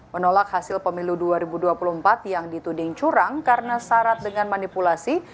menolak hasil pemilu dua ribu dua puluh empat yang dituding curang karena syarat dengan manipulasi